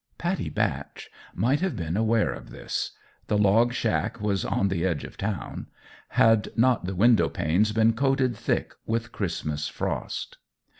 Pattie Batch might have been aware of this the log shack was on the edge of town had not the window panes been coated thick with Christmas frost.